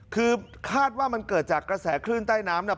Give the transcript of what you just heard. คือคาดว่ามันเกิดจากกระแสคลื่นใต้น้ำเนี่ย